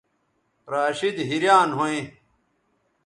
راشدحیریان ھویں